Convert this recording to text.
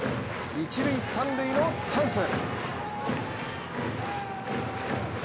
一塁・三塁のチャンス。